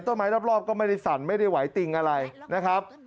รอบก็ไม่ได้สั่นไม่ได้ไหวติงอะไรนะครับ